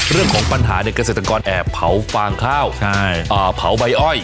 เรื่องของปัญหาเนี่ยเกษตรกรแอบเผาฟางข้าวเผาใบอ้อย